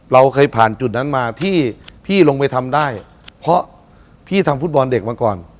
เราเคยผ่านจุดนั้นมาที่พี่ลงไปทำได้เพราะพี่ทำฟุตบอลเด็กมาก่อน